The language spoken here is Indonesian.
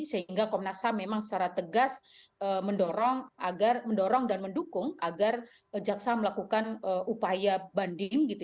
sehingga komnas ham memang secara tegas mendorong agar mendorong dan mendukung agar jaksa melakukan upaya banding